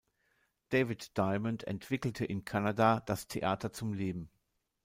David Diamond entwickelte in Kanada das "Theater zum Leben".